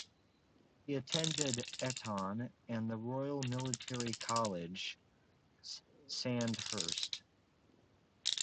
He attended Eton and the Royal Military College, Sandhurst.